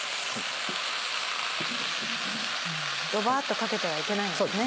ドバっとかけてはいけないんですね。